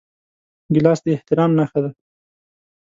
ګیلاس د احترام نښه ده.